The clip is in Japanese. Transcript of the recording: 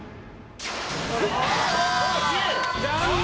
残念！